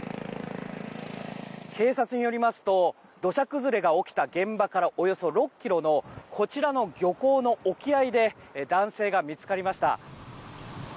警察によりますと土砂崩れが起きた現場からおよそ６ｋｍのこちらの漁港の沖合で男性が見つかりました。